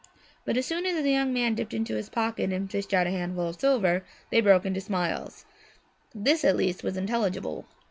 But as soon as the young man dipped into his pocket and fished out a handful of silver, they broke into smiles; this at least was intelligible.